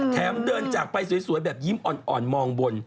เดินจากไปสวยแบบยิ้มอ่อนมองบน